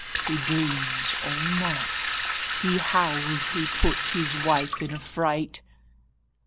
He dreams all night. He howls. He puts his wife in a fright.